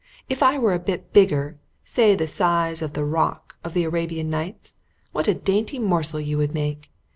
If I were a bit bigger, say the size of the roc of the Arabian Nights, what a dainty morsel you would make!